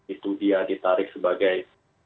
itu dia ditarik sebagai